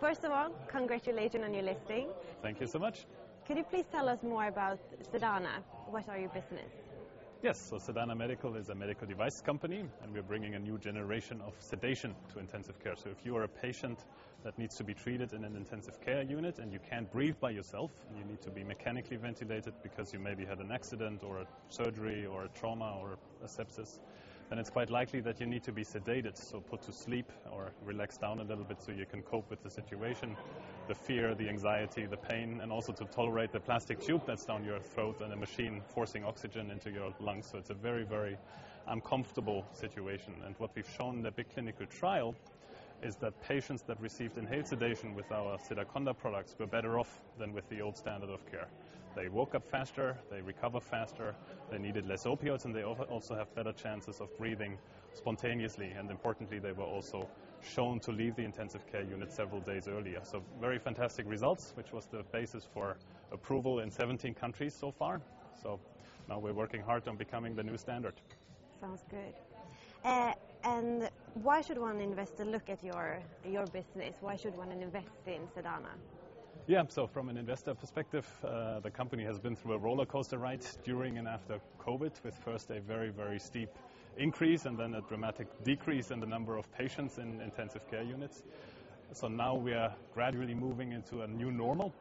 First of all, congratulations on your listing. Thank you so much. Could you please tell us more about Sedana? What are your business? Yes. So Sedana Medical is a medical device company, and we're bringing a new generation of sedation to intensive care. So if you are a patient that needs to be treated in an intensive care unit and you can't breathe by yourself, you need to be mechanically ventilated because you maybe had an accident or a surgery or a trauma or a sepsis, then it's quite likely that you need to be sedated, so put to sleep or relaxed down a little bit so you can cope with the situation, the fear, the anxiety, the pain, and also to tolerate the plastic tube that's down your throat and the machine forcing oxygen into your lungs. So it's a very, very uncomfortable situation. And what we've shown in the big clinical trial is that patients that received inhaled sedation with our Sedaconda products were better off than with the old standard of care. They woke up faster, they recovered faster, they needed less opioids, and they also have better chances of breathing spontaneously. And importantly, they were also shown to leave the intensive care unit several days earlier. So very fantastic results, which was the basis for approval in 17 countries so far. So now we're working hard on becoming the new standard. Sounds good, and why should one investor look at your business? Why should one invest in Sedana? Yeah. So from an investor perspective, the company has been through a roller coaster ride during and after COVID, with first a very, very steep increase and then a dramatic decrease in the number of patients in intensive care units. So now we are gradually moving into a new normal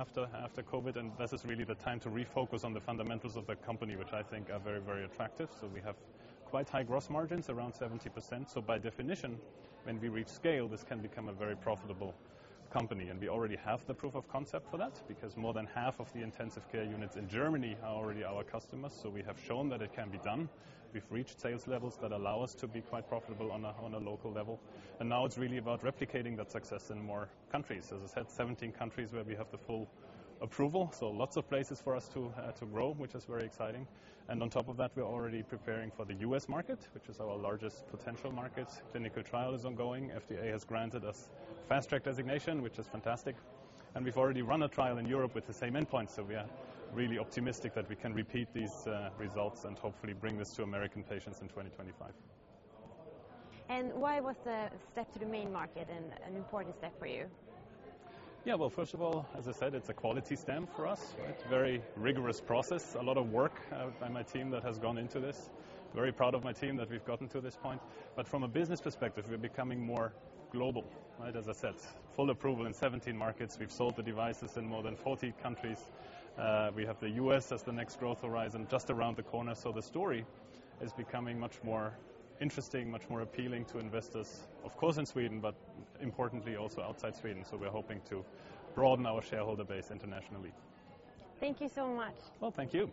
after COVID, and this is really the time to refocus on the fundamentals of the company, which I think are very, very attractive. So we have quite high gross margins, around 70%. So by definition, when we reach scale, this can become a very profitable company. And we already have the proof of concept for that because more than half of the intensive care units in Germany are already our customers. So we have shown that it can be done. We've reached sales levels that allow us to be quite profitable on a local level. Now it's really about replicating that success in more countries. As I said, 17 countries where we have the full approval. Lots of places for us to grow, which is very exciting. On top of that, we're already preparing for the U.S. market, which is our largest potential market. Clinical trial is ongoing. FDA has granted us Fast Track designation, which is fantastic. We've already run a trial in Europe with the same endpoint. We are really optimistic that we can repeat these results and hopefully bring this to American patients in 2025. Why was the step to the Main Market an important step for you? Yeah. Well, first of all, as I said, it's a quality stamp for us. It's a very rigorous process, a lot of work by my team that has gone into this. Very proud of my team that we've gotten to this point. But from a business perspective, we're becoming more global, as I said, full approval in 17 markets. We've sold the devices in more than 40 countries. We have the U.S. as the next growth horizon just around the corner. So the story is becoming much more interesting, much more appealing to investors, of course, in Sweden, but importantly, also outside Sweden. So we're hoping to broaden our shareholder base internationally. Thank you so much. Thank you.